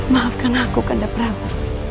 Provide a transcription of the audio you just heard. maafkan aku kanda pramu